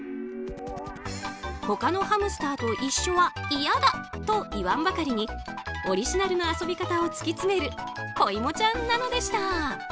他のハムスターと一緒は嫌だ！と言わんばかりにオリジナルの遊び方を突き詰めるこいもちゃんなのでした。